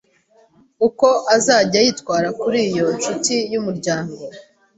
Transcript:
uko azajya yitwara kuri iyo nshuti y’umuryango